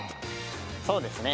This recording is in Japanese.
そうですね。